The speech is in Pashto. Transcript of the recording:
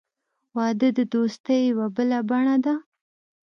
• واده د دوستۍ یوه بله بڼه ده.